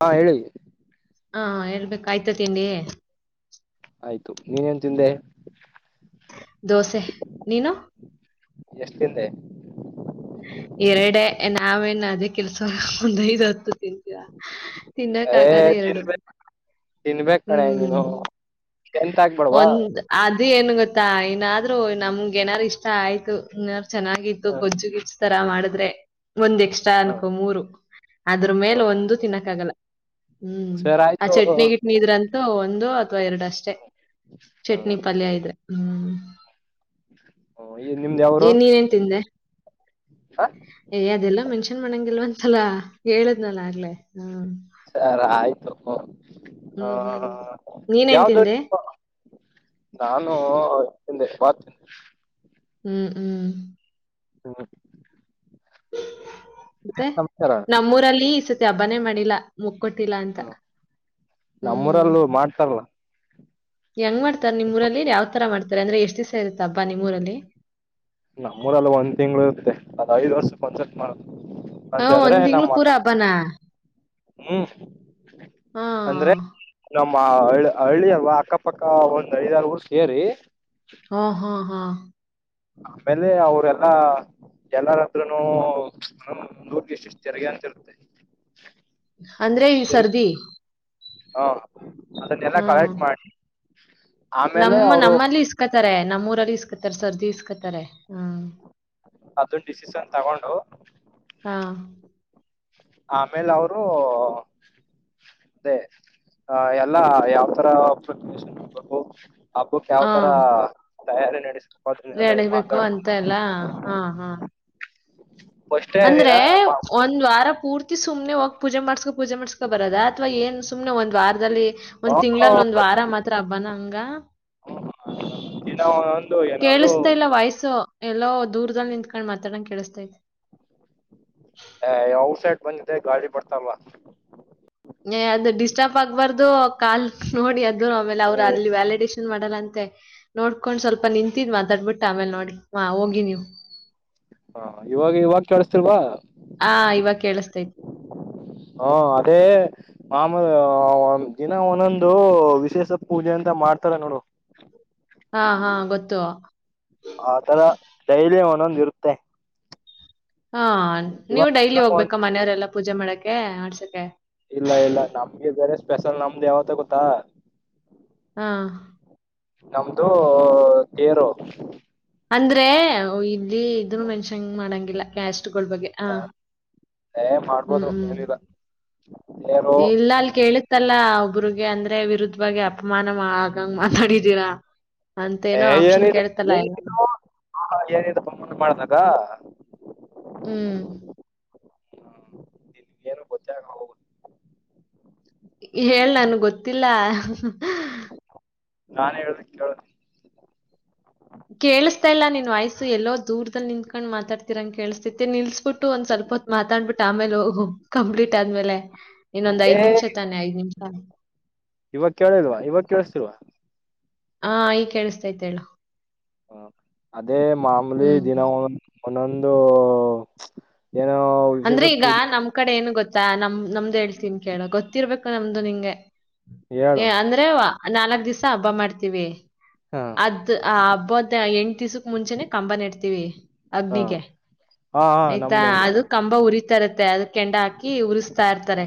ಹಾ ಹೇಳಿ ಹಾ ಹೇಳ್ಬೇಕ ಆಯ್ತ ತಿಂಡಿ ಆಯ್ತು ನೀನೇನ್ ತಿಂದೆ ದೋಸೆ ನೀನು ಎಷ್ಟಿಂದ ಎರಡೆ ನಾವೇನು ಅದೇ ಕೆಲ್ಸ ಒಂದ ಐದು ಹತ್ತು ತಿನ್ನಕ್ಕ ಆಾಗದ ಏ ಎರಡು ತಿನ್ಬೇಕ ತಿನ್ಬೇಕ ಕಣೆ ಹ್ಮ್ ನೀನು ಎಂತ ಆಗ್ಬೇಡವಾ ಒಂದ್ ಅದು ಏನ್ ಗೊತ್ತಾ ಏನಾದ್ರೂ [unintelligible] ನಮ್ಗೆ ಏನಾರ ಇಷ್ಟ ಆಯ್ತು ಚೆನ್ನಾಗಿತ್ತು ಹ ಕೊಜುಗಿ ತರಾ ಮಾಡಿದ್ರೆ ಒಂದ್ ಎಕ್ಸ್ಟ್ರಾ ಹ ಅನ್ಕು ಮೂರು ಅದ್ರ ಹ ಮೇಲೆ ಒಂದು ತಿನ್ನಕ್ಕ ಆಗಲ್ಲ ಹ್ಮ್ ಸರ್ ಆ ಆಯ್ತು ಚಟ್ನಿಗಿಟ್ನಿದ್ರಂತ ಒಂದು. ಅತ್ವ ಎರಡಷ್ಟೇ ಚಟ್ನಿ ಪಲ್ಯ ಇದ್ರೆ. ಹ್ಮ್ ಹ ಈ ನಿಮ್ದ ಯಾವುರು. ಹೇ ಅದೆಲ್ಲಾ ಮೆನ್ಷನ್ ಮಾಡಂಗಿಲ್ಲ. ಇಲ್ವಂತಲ ಹೇಳದ್ನಲ್ಲ ಆಗ್ಲೆೇ ಹ. ಸರಿ ಆಯ್ತು. ಹಾ ಹ್ಮ್ ಹ ಹ್ಮ್ ನೀನೇನ್ ಯಾವ್ದ ತಿಂದೆ ನಾನೂ. ತಿಂದೆ ಬಾತ್. ಹ್ಮ್ ಹ್ಮ್ ಹ್ಮ್ ಮತ್ತೆ ನಮಸ್ಕಾರ ನಮ್ಮೂರಲ್ಲಿ ಇಸತಿ. ಹಬ್ಬನೆ ಮಾಡಿಲ್ಲಾ ಮು ಕೊಟ್ಟಿಲ್ಲ ಅಂತ ಹ್ಮ ಹ್ಮ್ ನಮ್ಮೂರಲ್ಲೂ ಮಾಡ್ತಾರಲ್ಲ ಹೆಂಗ್ ಮಾಡ್ತಾರೆ ನಿಮ್ ಊರಲ್ಲಿ ಯಾವ್ ತರ ಮಾಡ್ ಅಂದ್ರೆ ಎಷ್ಟ್ ದಿವ್ಸ ಇರುತ್ತ ಹಬ್ಬ ನಿಮ್ಮೂರಲ್ಲಿ. ನಮ್ಮೂರ ಅಲ್ಲಿ ಒಂದ್ ತಿಂಗ್ಳ ಇರುತ್ತೆ ಅದ್ ಐದು ವರ್ಷಕ್ ಒನ್ಸತಿ ಮಾಡೋದು. ಹ ಒಂದ್ ತಿಂಗಳು ಪೂರಾ ಹಬ್ಬನ. ಹ್ಮ್ ಅಂದ್ರೆ ನಮ್. ನಮ್ಮ ಹ ಹಳ್ಳಿ ಅಲ್ವಾ ಅಕ್ಕಪಕ್ಕ ಒಂದ್ ಐದಾರು ಊರ್ ಸೇರಿ. ಹಾ ಹಾ ಹಾ ಆಮೇಲೆ ಅವರೆಲ್ಲಾ ಎಲ್ಲರತ್ರನೂ ಒಂದ್ ಒಂದ್ ಊರಿಗೆ ಇಷ್ಟಷ್ಟು ತೆರಿಗೆ ಅಂತ ಇರುತ್ತೆ. ಅಂದ್ರೆ ಈ ಸರ್ದಿ. ಹಾ ಅದನ್ನೆಲ್ಲಾ ಹ್ಮ್ ಕಲೆಕ್ಟ್ ಮಾಡಿ. ಹ್ಮ ನಮ್ಮ ನಮ್ಮಲ್ಲಿ ಇಸ್ಕತಾರೆ ನಮ್ಮೂರಲ್ಲಿ ಇಸ್ಕತಾರೆ ಸರ್ದಿ ಇಸ್ ಇಸ್ಕಾತಾರೆ ಹ್ಮ್. ಅದನ್ ಡಿಸಿಷನ್ ತಗೊಂಡು. ಹಾ ಆಮೇಲೆ ಅವರು ಅದೇ ಎಲ್ಲಾ ಯಾವ್ತರ ಪ್ರಕ್ರಿಯೇಶಡ್ಬೇಕು. ಹಬ್ಬಕ್ ಯಾವ ತರ ತಯಾರಿ ನಡಿಸ್ ನಡೀಬೇಕು ಅಂತ ಎಲ್ಲ ಹಾ ಹಾ. ಹ ಅಂದ್ರೆ ಒಂದ್ ವಾರ ಪೂರ್ತಿ ಸುಮ್ನೆ ಹೋಗ ಪೂಜೆ ಮಾಡ್ಸು ಪೂಜೆ ಮಾಡ್ಸ್ಕೊ ಬರದ ಅಥವಾ ಏನ್ ಸುಮ್ಮನೆ ಒಂದ್ ವಾರದಲ್ಲಿ. ಒಂದ್ ತಿಂಗಳಲ್ ಹ ಒಂದ್ ವಾರ ಮಾತ್ರ ಹಬ್ಬಾನ ಹಂಗ. ದಿನಾ ಓನೊಂದು ಏನಾದ್ರು. ಕೇಳಿಸ್ತಾ ಇಲ್ಲ ವಾಯ್ಸು ಎಲ್ಲೋ ದೂರದಲ್ಲಿ ನಿಂಕೊಂಡ್ ಮಾತಾಡಂಗ ಕೇಳಿಸಸ್ತೈತಿ. ಹೆ ಔಟ್ ಸೈಡ್ ಬಂದಿದೆೆ ಗಾಳಿ ಬಡ್ತಲ್ವಾ. ಏ ಅದು ಆಗ್ಬಾರ್ದು ಕಾಲ್ ನೋಡಿ ಅದು. ಆಮೇಲೆ ಅವರು ಅಲ್ಲಿ ವ್ಯಾಲಿಡೇಶನ್ ವ್ಯಾಲಿಡೇಶನ್ ಮಾಡಲ್ಲ ಅಂತೆ ನೋಡ್ಕೊಂಡ್ ಸ್ವಲ್ಪ ನಿಂತಿದ್ ಮತಡ್ಬಿಟ್ಟ ಆಮೇಲೆ ನೋಡಿ ಮಾ ಹೋಗಿ ನೀವು. ಹಾ ಇವಾಗ ಇವಾಗ ಕೇಳಸ್ತಿಲ್ವಾ. ಹಾ ಇವಾಗ ಕೇಳಿಸ್ತೈತೆ ಹಾ ಅದೇ ಮಾಮ ದಿನ ಒಂದೊಂದು ವಿಶೇಷ ಪೂಜೆ ಅಂತ ಮಾಡ್ತಾರೆ ನೋಡು. ಹಾ ಹಾ ಗೊತ್ತು. ಆ ತರ ಡೈಲಿ ಒಂದೊಂದ್ ಇರುತ್ತೆ. ಹಾ ನೀವು ಡೈಲಿ ಇವಾಗ ಒಂದ್- ಹೋಗ್ಬೇಕಾ ಮನೆಯವರೆಲ್ಲ ಪೂಜೆ ಮಾಡಕೆ ಆಡ್ಸಕೆ. ಇಲ್ಲ ಇಲ್ಲ ನಮ್ಗೆ ಬೇರೆ ಸ್ಪೆಷಲ್ ನಮ್ದು ಯಾವತ್ತ ಗೊತ್ತಾ. ಹಾ ನಮ್ದು ತೇರು. ಅಂದ್ರೆ ಹೊ ಇಲ್ಲಿ ಇದನ್ನು ಮೆನ್ಷನ್ ಮಾಡಂಗಿಲ್ಲ. ಇಲ್ಲ ಕ್ಯಾಸ್ಟ್ ಗಳ್ ಬಗ್ಗೆ ಹ ಆ, ಏ ಹ್ಮ್ ಮಾಡ್ಬೋದು ಹ್ಮ್. ಏನಿಲ್ಲ ತೇರು ಇಲ್ಲ ಅಲ್ಲಿ ಕೇಳುತ್ತಲ್ಲ. ಒಬ್ಬುರ್ರಿಗೆ ಅಂದ್ರೆ ವಿರುದ್ಧವಾಗಿ ಅಪಮಾನ ಆಗಂಗ ಮಾತಾಡಿದೀರಾ. ಅಂತ ಏನೋ ಆಪ್ಷನ್ ಕೇಳುತ್ತಲ ಎಲ್ಲ. ಅತರ ಏನಿದು [unintelligible] ಮಾಡಿದಾಗ. ಹ್ಮ್ ಹ್ಮ ನಿಂಗೆ ಏನೂ ಗೊತ್ತೇ ಆಗಲ್ಲ ಹೋಗು. ಹೇಳ್ ನನ್ಗ್ ಗೊತ್ತಿಲ್ಲ. ನಾನೇ ಹೇಳ್ದಂಗೆ ಕೇಳು ನೀ. ಕೇಳುಸ್ತಾ ಇಲ್ಲ ನಿನ್ ವಾಯ್ಸು ಎಲ್ಲೋ ದೂರದಲ್ಲಿ ನಿಂತ್ಕಂಡ್ ಮಾತಾಡ್ತಿರಂಗ್ ಕೇಳಸ್ತೈತಿ ನಿಲ್ಸ್ಬಿಟ್ಟು ಒಂದ್ ಸ್ವಲ್ಪ ಹೊತ್ ಮಾತಾಡ್ಬಿಟ್ಟು ಆಮೇಲೆ ಹೋಗು ಕಂಪ್ಲೀಟ್ ಆದ್ಮೇಲೆ. ಇನ್ನೊಂದ್ ಏ ಐದ್ಮಿಷ ತಾನೆ ಐದ್ ನಿಮ್ಷ. ಹಾ ಇವಾಗ ಕೇಳಿಲ್ವಾ ಇವಾಗ ಕೇಳಿಸ್ತಿಲ್ವ. ಹಾ ಈಗ ಕೇಳಿಸ್ತೈತೆ ಹೇಳು. ಹ ಅದು ಅದೆ ಮಾಮೂಲಿ ಹ್ಮ್. ದಿನ ಒನೊಂದು. ಒನ್ನೊಂದು. ಅಂದ್ರೆ ಈಗ ನಮ್ ಕಡೆ ಏನು ಗೊತ್ ಚಾ ನಮ್ ನಮ್ದ್ ಹೇಳ್ತೀನಿ ಕೇಳೋ ಗೊತ್ತಿರ್ಬೇಕ್ ಬೇಕು ನಮ್ದು ನಿಂಗೆ. ಏ ಹೇಳು ಅಂದ್ರೆವಾ. ನಾಲ್ಕ್ ದಿವ್ಸ ಹಬ್ಬ ಮಾಡ್ತೀವಿ. ಹಾ ಅದ್ ಆ ಹಬ್ಬದ ಎಂಟ ದಿವ್ಸಕ್ ಮುಂಚೆನೆ ಕಂಬ ನೆಡ್ತೀವಿ ಹಾ ಅಗ್ನಿಗೆ ಹಾ ಹಾ ಆಯ್ತಾ ನಮ್ದು ಹಂಗೆ ಅದು ಕಂಬ ಉರಿತಾ ಇರತ್ತೆ ಅದ ಕೆಂಡ ಹಾಕಿ ಉರಿಸ್ತಾ ಇರ್ತಾರೆ.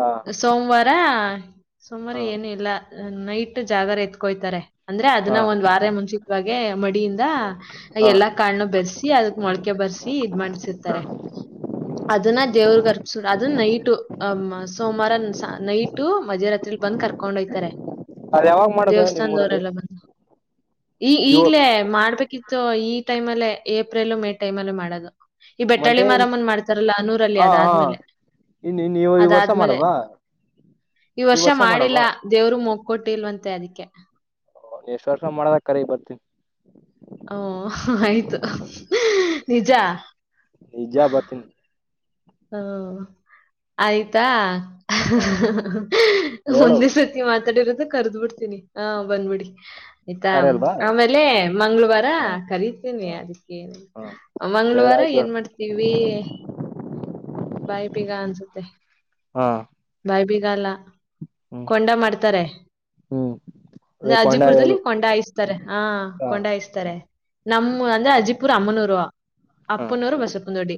ಹಾ ಸೋಮವಾರ. ಹ್ಮ್ ಸೋಮವಾರ ಹಾ ಏನು ಇಲ್ಲ ನೈಟ್ ಜಾಗರ ಎತ್ಕೊಯ್ತಾರೆ. ಅಂದ್ರೆ ಹಾ ಅದುನ್ನ ಒಂದ್ ವಾರ ಮುಂಚಿತವಾಗೆ ಮಡಿಯಿಂದ ಹಾ ಎಲ್ಲಾ ಕಾಳ್ನು ಬೆರ್ಸಿ ಅದ್ಕ್ ಮೊಳಕೆ ಬರ್ಸಿ ಇದ್ ಮಾಡ್ಸಿರ್ತಾರೆ ಅದುನ್ನ ದೇವ್ರಗ್ ಅರ್ಪ್ಸ್ ಅದುನ್ನ ನೈಟು ಹ್ಮ್ ಸೋಮವಾರ ಸ ನೈಟ್ ಮಧ್ಯರಾತ್ರಿಲಿ ಬಂದ್ ಕರ್ಕೊಂಡೋಯ್ತಾರೆ. ಅದ್ ಯಾವಾಗ್ ಮಾಡದು ನಿಮ್ ಊರಲ್ಲಿ. ಬಂದು ಈ ಈಗ್ಲೇ ಮಾಡ್ಬೇಕಿತ್ ಸೊ ಈ ಟೈಮ್ ಅಲ್ಲೇ ಏಪ್ರಿಲ್ ಮೇ ಟೈಮ್ ಅಲ್ಲೆ ಮಾಡೋದು. ಈ ಬೆಟ್ಟಳ್ಳಿ ಮತ್ತೆ ಮಾರಮ್ಮಂದ್ ಮಾಡ್ತಾರಲ್ಲ ಅನೂರಲ್ಲಿ ಹಾ ಹಾ ಅದಾದ್ಮೇಲೆ ಇನ್ ನೀವು ಈ ಅದಾದ್ ವರ್ಷ ಆದ್ಮೇಲೆ ಮಾಡಲ್ವಾ ಈ ವರ್ಷ ಮಾಡಿಲ್ಲ ದೇವರು ಮಗ್ಕೊಟ್ಟಿಲ್ವಂತೆ ಅದಿಕ್ಕೆ. ಹೂ ನೆಕ್ಸ್ಟ್ ವರ್ಷ ಮಾಡದ ಕರ ಬರ್ತಿನಿ. ಹಓ ಆಯ್ತು ನಿಜ. ನಿಜ ಬರ್ತೀನಿ ಹಾ ಹ್ಮ್ ಆಯ್ತಾ ಹಾ ಹೇಳು ಒಂದೇ ಸತಿ ಮಾತಾಡಿರೋದು ಕರ್ದ್ ಬಿಡ್ತ ತಿನಿ ಹಾ ಬಂದ್ಬುಡಿ. ಆಯ್ತಾ ಕಾರ್ಯ ಅಲ್ವಾ ಆಮೇಲೆ ಮಂಗ್ಳುವಾರ ಹಾ ಕರಿತೀನಿ ಹಾ ಅದಕೆನ್ ಹಾ ಸರಿ ಮಂಗ್ಳವಾರ ಆಯ್ತು ಏನ್ ಹೇಳು ಮಾಡ್ತೀವಿ. ಬಾಯ್ಬೀಗ ಅನ್ಸುತ್ತೆ ಹಾ ಬಾಯ್ ಬೀಗಲ್ಲ. ಹ್ಮ್ ಕೊಂಡ ಮಾಡ್ತಾರೆ ಹ್ಮ್ ಅದೇ ರಾಜಿಪುರ್ದಲ್ಲಿ ಕೊಂಡಾಯೋದು ಕೊಂಡ ಹಾಯ್ಸ್ತಾರೆ ಹಾ ಹಾ ಕೊಂಡ ಹಾಯ್ಸ್ತಾರೆ ನಮ್ಮ ಅಂದ್ರೆ ಅಜ್ಜಿಪುರ ಅಮ್ಮನೂರು ಹಾ ಅಪ್ಪನೂರು ಬಸಪನ್ದೊಡ್ಡಿ.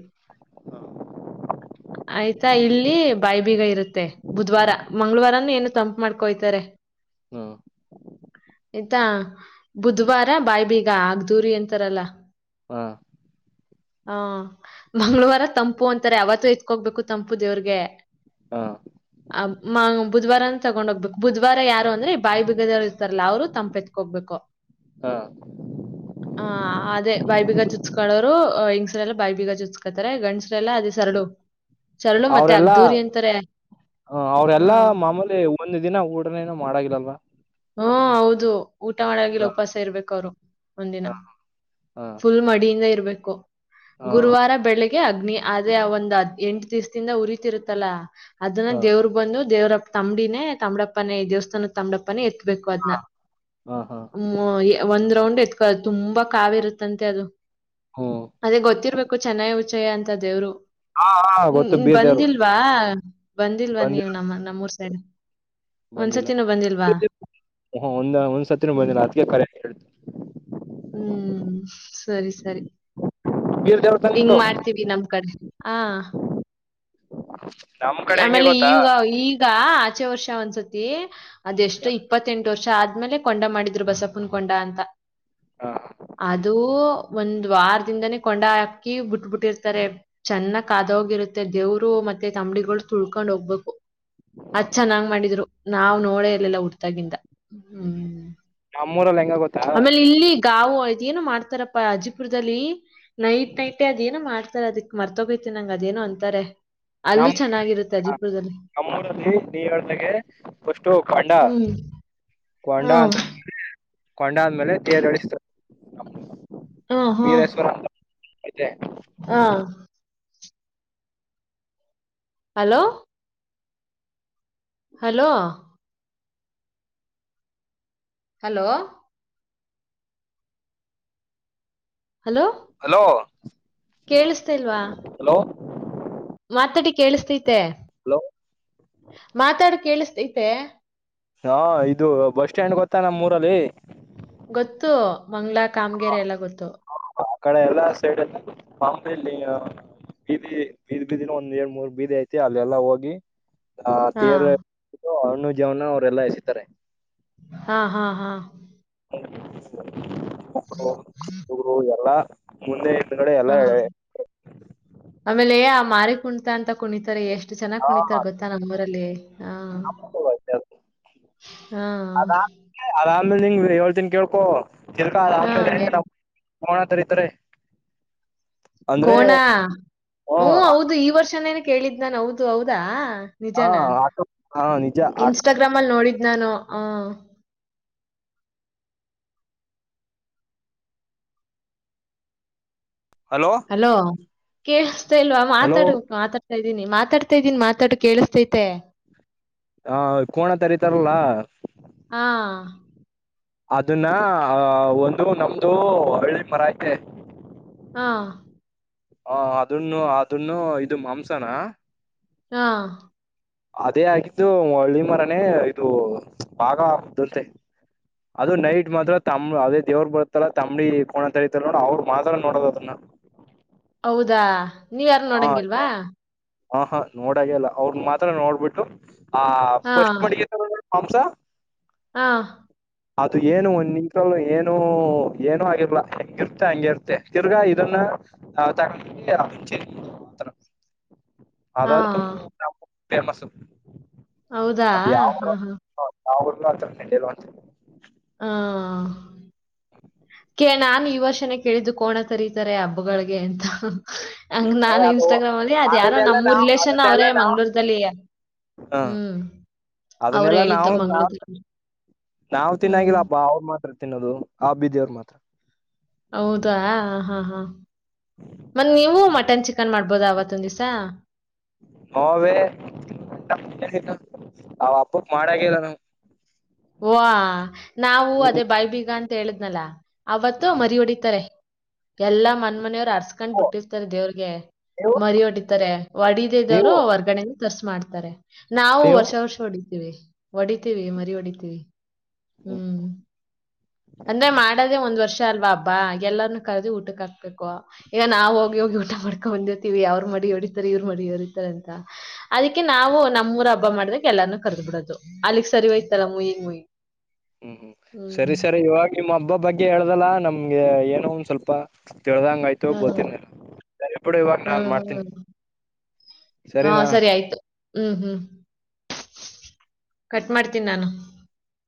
ಆಯ್ತಾ ಇಲ್ಲಿ ಬಾಯಿಬೀಗ ಇರುತ್ತೆ ಬುಧ್ವಾರ ಮಂಗ್ಗಳವಾರನು ಏನು ತಂಪು ಮಾಡ್ಕೊಯ್ತಾರೆ [inaudible] ಹ್ಮ್ ಇತಾ ಹ್ಮ್ ಬುಧವಾರ ಬಾಯಬೀಗ. [inaudible] [unintelligible] ಹಾ [inaudible] ಹಾ ಮಂ್ಗಳವಾರ ತಂಪು ಅಂತ [unintelligible] ತ್ತಾರೆ ಅವತ್ತು ಎತ್ಕೋ್ಬೇಕು ತಂಪು ದೇವ್ರಿಗೆ [unintelligible] ಹಾ ಆ ಮಾ [unintelligible] ಬುಧವಾರನ್ ತಗೊಂಡ್ ಹೋಗ್ಬೇಕು ಬುಧವಾರ ಯಾರು ಅಂದ್ರೆ ಬಾಯಿ ಬಿಗದವ್ ಇರ್ತಾರಲ್ಲ ಅವ್ರು ತಂಪೆತ್ಕೋಗ್ಬೇಕು [inaudible] ಹಾ ಹ ಅದೇ ಬೈಬೀಗ ಚುಚ್ಕೊಳ್ಳೋರು [inaudible] ಬಾಯಿ ಬೀಗ ಚುತ್ಕತಾರೆ ಗಂಡಸರೆಲ್ಲ [unintelligible] ಸರಳು ಮತ್ತೆ ಅವರೆಲ್ಲಾ ಅಗ್ದೂರಿ ಅಂತಾರೆ ಹ ಅವ್ರೆಲ್ಲಾ ಹ್ಮ್ ಮಾಮೂಲಿ ಒಂದು ದಿನ ಊಡನೇನ ಮಾಡಾಗಿಲ್ಲಲ್ವಾ [inaudible] ಹ್ಮ ಹೌದು ಊಟ ಮಾಡಾಗಿಲ್ಲ ಹಾ ಉಪವಾಸ ಇರ್ಬೇಕು [inaudible] ೋ [unintelligible] ಒಂದಿನ ಹಾ ಹಾ ಫುಲ್ ಮಡಿಯಿಂದ ಇರ್ ಬಬೇಕು [unintelligible] ಹಾ ಗುರುವಾರ [unintelligible] ೆ ಅಗ್ನಿ ಆದ್ರೆ ಒಂದ್ದ್ ಎಂಟು ದಿವ್ಸದಿಂದ ಉರಿತಿರುತ್ತಲ ಅದನ್ನ ಹಾ ದೇವ್ರ ಬಂದು ದೇವ್ರ ತಂಬಡಿನೇ ತ್ಡಪ್ಪನೇ ದೇವಸ್ಥಾನದ ತಾಮಡಪ್ಪಿ [unintelligible] ಮ [inaudible] ಬ ಅದ ಹಾ ಹಾ ಒಂದ್ ರೌ್ ತುಂಬಾ ಕಾವಿರುತ್ತಂತೆ ಅದು ಹ್ಮ್ ಅದೇ ಗೊತ್ತಿರ್ಬೇಕು ು ಚೆನ್ನಾಗಿ ಉಚ್ಚಯ ಅಂತ ದೇವ್ರು ಹಾ ಹಾ ಗೊತ್ತು ಹ್ಮ್ ಬೀರ್ದೇವ್ರು ಬಂದಿಲ್ವಾ ಬಂದಿಲ್ವಾ ನೀವು ಬಂದಿಲ್ಲ ನಮ್ಮ ನಮ್ಮೂರ್ ತ ಒಂದ್ಸತಿನೂ ಬಂದಿಲ್ವಾ ಹ ಒಂದ ಒಂದ್ ಸತ್ತಿನ ಹ್ಮ್ ಬರ್ಿಲ್ಲ ಅತ್ಗೆ ಕರೆ ಹತು ಹ್ಮ್ ಸರಿ ಸರಿ ಬೀರ್ ದೇವ್ರ ತಾನೆ ಹಿಂಗ್ ಇದು ಮಾಡ್ತೀವಿ ನಮ್ ಕಡೆ ಹ ನಮ್ ಕಡೆ ಹೆಂಗೆ ಆಮೇಲೆ ಗೊತ್ತಾ ಈಗ ಈಗ ಆಚೆ ವರ್ಷ ಒಂದ್ಸತಿ ಅದೆಷ್ಟು ಇಪ್ಪತ್ತೆಂಟು ಎಡು ವರ್ಷ ಆದ್ಮೇಲೆ ಕೊಂಡ ಮಾಡಿದ್ರು ಬಸಪುನ್ ಕೊಂಡ ಅಂತ ಹಾ ಅದು ಒಂದು [unintelligible] ವಾರದಿಂದಾನೇ ಕೊಂಡ ಹಾಕಿ ಬಿಟ್ಬ ಬಿಟ್ಟಿರ್ತಾರೆ ಚೆನ್ನ ಕಾದ ಹೋಗಿರುತ್ತೆ ದೇವ್ರು ಮತ್ತೆ ತಂಬಡಿಗಳು ತಳ್ಕೊಂಡ್ ಹೋಗ್ಬೇಕು ಅ ಚೆನ್ನಂಗ್ ಮಾಡಿದ್ರು ನಾವ್ ನೋಳೆ ಇರ್ಲ್ಲಲ್ಲಾ ಉಡ್ತವಿ ತಾಗಿಂದ ಹ್ಮ್ ನಮ್ಮೂರಲ್ಲಿ ಹೆಂಗ ಗೊತ್ತಾ ಆಮೇಲೆ ಇಲ್ಲಿ ಗಾವು ಇದ ಏನೋ ಮಾಡ್ತಾರಪ್ಪಾ ಅಜಿಪುರದಲ್ಲಿ ನೈಟ್ ನೈಟೇ ಅದೇಏನೋ ಮಾಡ್ತಾರ ಅದಕ್ ಮರ್ತೋಗೋತಿ ನಂಗ ಅದೇನೋ ಅಂತಾರೆ ಅಲ್ಲೂ ನಮ್ಮ್ ಚೆನ್ನಾಗಿರುತ್ತೆ ಅಜಿಪುರದಲ್ಲಿ ನಮ್ಮೂರಲ್ಲಿ ನೀ ಹೇಳಳ್ಗೆ [unintelligible] ಖಾಂಡ ಹ್ಮ್ ಕೊಂಡಾ ಹ್ಮ್ ಅಂತ ಕೊಂಡಾದ್ಮೇಲೆ ತೇರ್ಳಿಸತ ಹ ಹಾ ಅದಾ ಹಾ hello hello hello hello hello ಕೇಳಿಸತಲ್ವಾ ಹಲೋ ಮಾತಾಡಿ ಕೇಳಿಸತೈತೆ ಹಲೋ ಮಾತಾಡಿ ಕೇಳಿಸತ ಐತೆ ಹಾ ಇದು ಬಸ್ ಸ್ಟ್ಯಾಂಡ್ ಗೊತ್ತಾ ನಮ್ಮ್ ಊರಲ್ಲಿ ಗೊತ್ತು ಮಂಗ್ಗಳ ಕಾಮಗೆರೆ ಎಲ್ಲ ಗೊತ್ತು ಕಣ ಎಲ್ಲಾ ಸೈಡ್ ಬೀದಿ ಬೀದ್ ಬೀದಿನ ಒಂದ್ ಎರಡ್ ಮೂರ್ ಬೀದಿ ಐತಿ ಅಲ್ಲ ಎಲ್ಲಾ ಹೋಗಿ ಹಾ ಹತ್ತರ ಹಣ್ಣು ಜವನ ಅವರೆಲ್ಲ ಎಸತಾರೆ ಹಾ ಹಾ ಹಾ [inaudible] ಒಬ್ರು ಎಲ್ಲಾ ಮೊನ್ನೆ ಹಾ ಆಮೇಲೆ ಮಾರಿ ಕುಣತಾ ಅಂತ ಕುಣಿತಾರೆ ಎಷ್ಟು ಎಷ್ಟ್ ಚೆನ್ನಾಗಿ ಕುಣಿತಾರ ಎಲ್ಲಾ ಗೊತ್ತ ನಮ್ಮೂರಲ್ಲಿ ಹಾ ಹಾ ಅದಾ ಅದಾದಮೇಲೆ ಆಮೇಲೆ ನಿಂಗ್ ಹೇಳ್ತೆನ್ ಕೇಳ್ಕೊ ಕಿರೀಟ ಹಾ ಒನ್ ದ ವೇ ಹೇಳು ನಮ್ ಮ್ಮ್ನ ತರಿ ತರೆ. ಕೋನ ಹ ಹ್ಮ ಹೌದು ಈ ವರ್ಷನೆನೆ. ಕೇಳಿದ್ ನಾನ್ ಹೌದು ಹೌದಾ. ಹ ನಿಜಾನ ಹ ನಿಜ ಇನ್ಸ್ಟಾಗ್ರಾಮ್ ಅಲ್ ನೋಡಿದ್ ನಾನೋ ಆ. ಹಲೋ ಕೆ ಹ. ತೆ ಇಲ್ವಾ ಹಲೋ ಮಾತಾಡು ಮಾತಾ ತಯಿದ್ದೀನಿ ಮಾತಾಡ್ತಾ ಇದ್ದೀನಿ ಮಾತಾಡ್ ಕೇಳಿಸ್ತೈತೆ. ಹಾ ಕೋಣ ತರಿತರಲ್ಲ. ಹಾ ಅದುನ್ನ ಅ ಒಂದು ನಮ್ದು ಹಳ್ಳಿ ಮರ ಐತೆ. ಹಾ ಹಾ ಅದುನ್ನು ಅದುನ್ನು ಇದು ಮಾಂಸನ. ಹಾ ಅದೇ ಆಗಿದ್ದು ಹಳ್ಳಿ ಮರಾನೇ ಇದು ಬಾಗ ಆಗುದ್ ಅಂತೆ ಅದು ನೈಟ್ ಮಾತ್ರ ತಮ್ ಅದೇ ದೇವ್ರ ಬರ್ತಲ್ಲ ತಂಬ್ಳಿ ಕೋಣಂತ ಐತೆ ನೋಡ ಅವ್ರ್ ಮಾತ್ರ ನೋಡದ್ ಅದುನ್ನ. ಹೌದಾ ನೀವ್ ಯಾರು ನೋಡಂಗಿಲ್ವಾ. ಹಾ ಹಾ ನೋಡಾಗೆಲ್ಲ ಅವ್ರ್ ಮಾತ್ರ ನೋಡ್ಬುಟ್ಟು. ಹ ಹಾ ಫಸ್ಟ್ ಮಾಡ್ಗೀರ್ತ ನೋಡು. ಹಂಸ. ಹಾ ಅದು ಏನು ಒನಿ ತಾಲ್ಲು ಏನು ಏನು ಆಗಿಲ್ಲಾ ಹೆಂಗುರುತೆ ಅಂಗಿರುತೆ ತೀರ್ಗಾ ಇದನ್ನ ತಗೊಂಡೋಗಿ ಚಿ. ಹ್ಮ್ ತ್ರ. ಹಾ ಫೇಮಸು ಹೌದಾ ಹಾ ಹಾ ನಾವಿಬ್ರೂ ಅತರ ನಡೆಯಲ್ವಂತೆ. ಹಾ ಎ ನಾನು ಈ ವರ್ಷನೇ ಕೇಳಿದ್ದು ಕೋಣ ತರೀತರೆ ಹಬ್ಬಗಳಿಗೆ ಅಂತ. ಹಂಗ್ ನಾನು ಅದು ಇನ್ಸ್ಟಾಗ್ರಾಮ್ ಅಲ್ಲಿ ಅದ್ ಯಾರೋ ಅದನ್ನೆಲ್ಲ ನಮ್ಮೂ ನಾವ್ ರಿಲೇಶನ್ನ್ ಅದನ್ನೆಲ್ಲ ಅವ್ರೇ ನಾವ್ ಮಂಗ್ಳೂರೂದಲ್ಲಿ ಹ ಹ್ಮ್ ಅವ್ರ್ ಅದನ್ನೆಲ್ಲಾ ಹೇಳಿದ್ದು ನಾವು ಮಂಗ್ಳ ಹತ್ರ ನಾವ್ ಹ್ಮ್. ತಿನ್ನಾಗಿಲ್ಲ ಹಬ್ಬ ಅವ್ರ ಮಾತ್ರ ತಿನ್ನೋದು ಆ ಬಿದಿಯವರ್ ಮಾತ್ರ. ಹೌದಾ ಹಾ ಹಾ ಮನ್ ನೀವು ಮಟನ್ ಚಿಕನ್ ಮಾಡ್ ಬೋದ ಅವತ್ ಒಂದಿವ್ಸ. ನೂ ವೇ ಅವ್ ಹಬ್ಬಕ್ ಮಾಡಂಗಿಲ್ಲ ನಾವ್. ವ ನಾವು ಅದೇ ಬಾಯಬೀಗಂತ ಹೇಳಿದ್ನಲ ಅವತ್ತು ಮರಿ ಹೊಡಿತಾರೆ ಎಲ್ಲಾ ಹ್ಮ್. ಮನ್ ಮನೆಯವ್ರು ಅರ್ಸ್ಕೊಂಡ್ ಓ, ಬಿಟ್ಟಿರ್ತಾರೆ ದೇವ್ರಿಗೆ ನೀವು ಮರಿ ಹೊಡಿತಾರೆ ಹೊಡಿದ ಇದವ್ರು ನೀವು ಹೊರಗಡೆ ಪ್ಲಸ್ ಮಾಡ್ತಾರೆ ನಾವು ನೀವು ವರ್ಷ ವರ್ಷ ಹೊಡಿದವಿ ರಿ ಹೊಡಿತೀವಿ ಮರಿ ಹೊಡೀತವಿ ಹ್ಮ ಹ್ಮ್ ಅಂದ್ರೆ ಮಾಡದೇ ಒಂದ್ ವರ್ಷ ಇಷ್ಟ ಅಲ್ವಾ ಹಬ್ಬ ಎಲ್ಲರನ್ನ ಕರೆದಿ ಊಟಕ್ ಹಾಕ್ಬೇಕು ಈಗ ನಾವವು ಹೋಗಿ ಹೋಗಿ ಊಟ ಮಾಡ್ಕೊ ಹೊಂದಿರ್ತೀವಿ ಅವ್ರ ಮಡಿ ಹೊಡಿತರ್ ಇವ್ರ ಮಡಿ ಹೊಡಿತಾರೆ ಅಂತ ಅದಿಕ್ಕೆ ನಾವು ನಮ್ಮೂರ ಹಬ್ಬ ಮಾಡ್ದಕ್ ಎಲ್ಲಾರಾನೂ ಕರ್ದ್ ಬಿಡೋದು ಅಲ್ಲಿಗ್ ಸರಿವಯ್ತಲ್ಲ ಮುಯಿಗು ಮುಯಿ ಹ್ಮ್ ಸರಿ ಸರಿ ಇವಾಗ ನಿಮ್ಮ್ ಹಬ್ಬ ಬಗ್ಗೆ ಹೇಳ್ದಲ್ಲ ನಮ್ಗೆ ಏನೋ ಒಂದ ಸ್ವಲ್ಪ ತಿಳ್ದಂಗ ಆಯ್ತು ಹ್ಮ್ ಗೊತ್ತಿಲ್ಲ ಸರಿ ಬಿಡು ಇವಾಗ ನಾನ್ ಹ್ಮ್ ಮಾಡ್ತೀನಿ ಹ್ಮ್ ಹ್ಮ್ ಸರಿನಾ ಸರಿ ಆಯ್ತು ಹ್ಮ್ ಹ್ಮ್ ಕಟ್ ಮಾಡ್ತೀನಿ ನಾನು